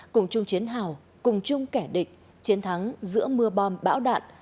cùng chung chiến hào cùng chung kẻ địch chiến thắng giữa mưa bom bão đạn